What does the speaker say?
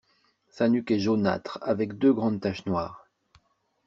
Sa nuque est jaunâtre avec deux grandes taches noires.